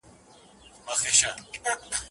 د خُم پښو ته به لوېدلي، مستان وي، او زه به نه یم